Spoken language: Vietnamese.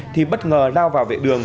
thì bất ngờ lao vào vệ đường